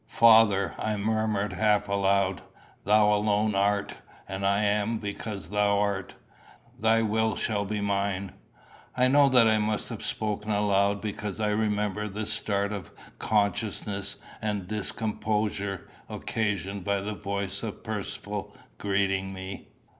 "Father," I murmured half aloud, "thou alone art, and I am because thou art. Thy will shall be mine." I know that I must have spoken aloud, because I remember the start of consciousness and discomposure occasioned by the voice of Percivale greeting me.